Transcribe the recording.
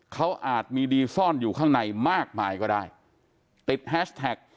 เขาอาจมีดีซ่อนอยู่ข้างในมากมายก็ได้ติดแฮชแท็ก